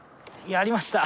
やりました！